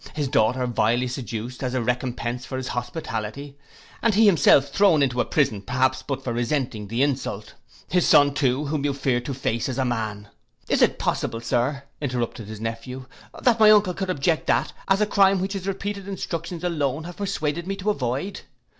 His daughter vilely seduced, as a recompence for his hospitality, and he himself thrown into a prison perhaps but for resenting the insult? His son too, whom you feared to face as a man—' 'Is it possible, Sir,' interrupted his nephew, 'that my uncle could object that as a crime which his repeated instructions alone have persuaded me to avoid.